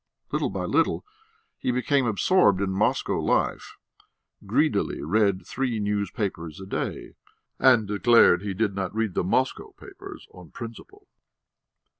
Little by little he became absorbed in Moscow life, greedily read three newspapers a day, and declared he did not read the Moscow papers on principle!